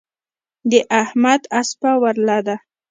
د احمد اسپه ورله ده.